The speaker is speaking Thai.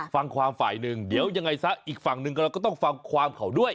ฟังความฝ่ายหนึ่งเดี๋ยวยังไงซะอีกฝั่งหนึ่งเราก็ต้องฟังความเขาด้วย